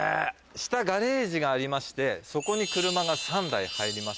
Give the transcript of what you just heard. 下ガレージがありましてそこに車が３台入りまして。